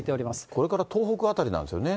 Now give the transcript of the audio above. これから東北辺りなんですよね。